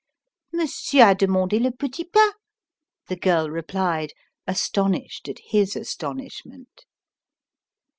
"Monsieur a demande le petit pain," the girl replied, astonished at his astonishment.